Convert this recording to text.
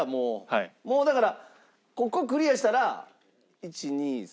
もうだからここクリアしたら１２３。